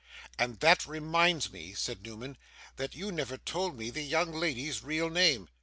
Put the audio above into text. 'And that reminds me,' said Newman, 'that you never told me the young lady's real name.